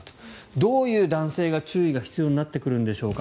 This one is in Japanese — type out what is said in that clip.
どういう男性が注意が必要になってくるんでしょうか。